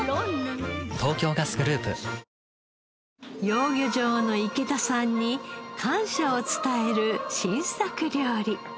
養魚場の池田さんに感謝を伝える新作料理。